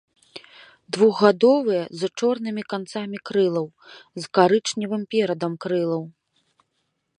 Двухгадовыя з чорнымі канцамі крылаў, з карычневым перадам крылаў.